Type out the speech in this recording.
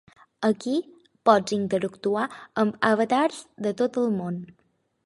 Aquí pots interactuar amb avatars de tot el món.